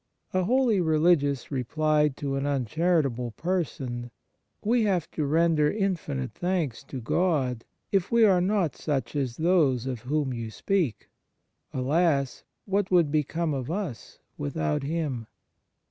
A holy religious replied to an uncharitable person :" We have to render infinite thanks to God if we are not such as those of whom you speak. Alas ! what would become of us without Him